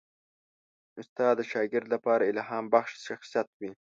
استاد د شاګرد لپاره الهامبخش شخصیت وي.